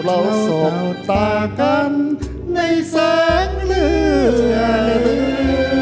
เราสมตากันในแสงเลือด